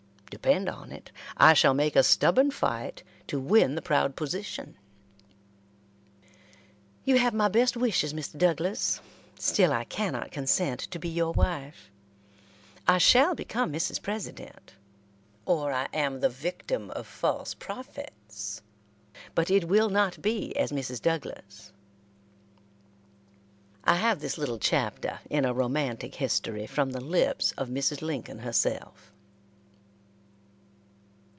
Depend upon it, I shall make a stubborn fight to win the proud position." "You have my best wishes, Mr. Douglas; still I cannot consent to be your wife. I shall become Mrs. President, or I am the victim of false prophets, but it will not be as Mrs. Douglas." I have this little chapter in a romantic history from the lips of Mrs. Lincoln herself.